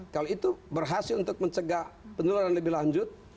kalau itu berhasil untuk mencegah penularan lebih lanjut